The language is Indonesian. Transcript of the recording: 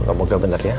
moga moga bener ya